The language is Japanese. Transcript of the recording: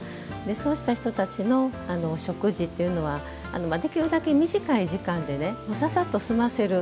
そうした人たちの食事というのはできるだけ短い時間でささっと済ませる。